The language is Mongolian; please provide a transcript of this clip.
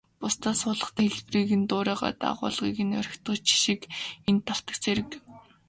Бусдаас хуулахдаа хэлбэрийг нь дуурайгаад, агуулгыг нь орхидог жишиг энд давтагдсан хэрэг.